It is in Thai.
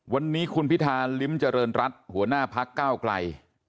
วันนี้คุณพิธาลิ้มเจริญรัฐหัวหน้าพักก้าวไกล